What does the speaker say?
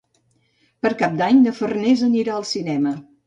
Per Cap d'Any na Farners anirà al cinema.